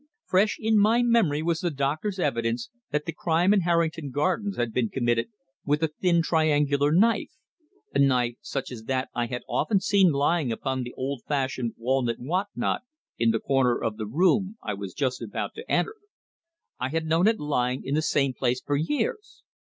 Fresh in my memory was the doctor's evidence that the crime in Harrington Gardens had been committed with a thin, triangular knife a knife such as that I had often seen lying upon the old fashioned, walnut what not in the corner of the room I was just about to enter. I had known it lying in the same place for years.